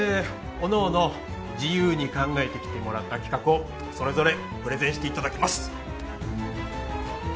おのおの自由に考えてきてもらった企画をそれぞれプレゼンしていただきます。